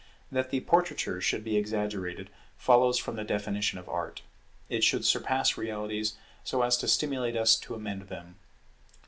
That the portraiture should be exaggerated follows from the definition of Art; it should surpass realities so as to stimulate us to amend them.